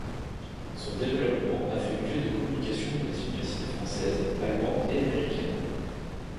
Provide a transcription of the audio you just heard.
Son développement a fait l'objet de communications dans les universités françaises, allemandes et américaines.